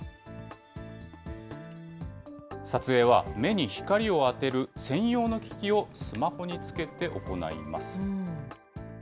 撮影は、目に光を当てる専用の機器をスマホにつけて行います。